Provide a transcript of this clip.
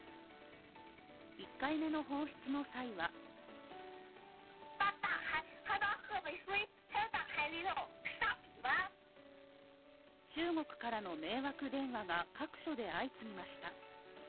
１回目の放出の際は中国からの迷惑電話が各所で相次ぎました。